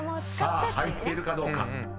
［さあ入っているかどうか］